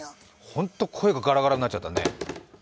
ホント、声がガラガラになっちゃったね。